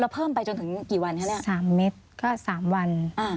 แล้วเพิ่มไปจนถึงกี่วันคะเนี่ยสามเม็ดก็สามวัน